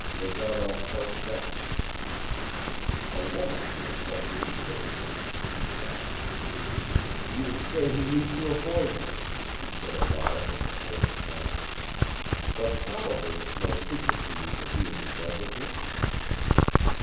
Bazarov felt vexed. "A woman can't help being a hypocrite," he thought. "You say he used to avoid you," he said aloud with a cold smile; "but probably it's no secret to you that he was in love with you?"